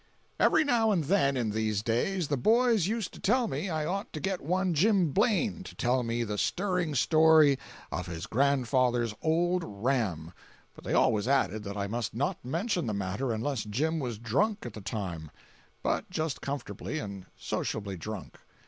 Every now and then, in these days, the boys used to tell me I ought to get one Jim Blaine to tell me the stirring story of his grandfather's old ram—but they always added that I must not mention the matter unless Jim was drunk at the time—just comfortably and sociably drunk.